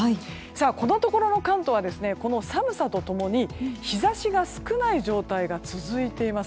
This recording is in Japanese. このところの関東はこの寒さと共に日差しが少ない状態が続いています。